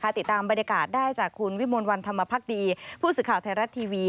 ติดตามบรรยากาศได้จากคุณวิมลวันธรรมพักดีผู้สื่อข่าวไทยรัฐทีวี